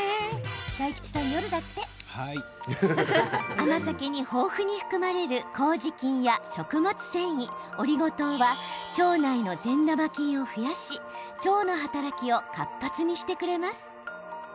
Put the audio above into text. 甘酒に豊富に含まれるこうじ菌や食物繊維、オリゴ糖は腸内の善玉菌を増やし腸の働きを活発にしてくれます。